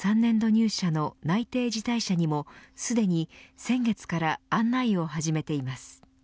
入社の内定辞退者にもすでに先月から案内を始めています。